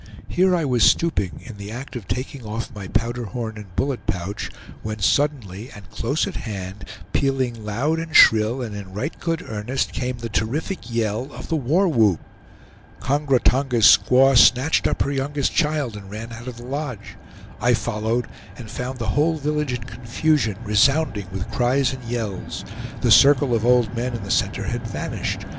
Here I was stooping, in the act of taking off my powder horn and bullet pouch, when suddenly, and close at hand, pealing loud and shrill, and in right good earnest, came the terrific yell of the war whoop. Kongra Tonga's squaw snatched up her youngest child, and ran out of the lodge. I followed, and found the whole village in confusion, resounding with cries and yells. The circle of old men in the center had vanished.